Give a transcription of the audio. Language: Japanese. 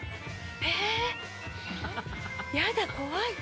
えやだ怖い。